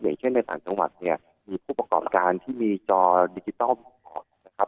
อย่างเช่นในต่างจังหวัดเนี่ยมีผู้ประกอบการที่มีจอดิจิทัลนะครับ